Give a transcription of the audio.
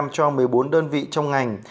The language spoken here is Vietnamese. cho một mươi bốn đơn vị trong ngành